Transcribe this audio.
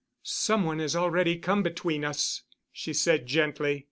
"Some one has already come between us," she said, gently.